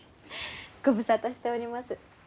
ご無沙汰しております。